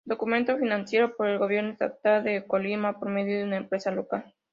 Documental financiado por el gobierno estatal de Colima por medio de una empresa local.